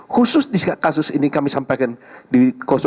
khusus jika kasus ini kami sampaikan di dua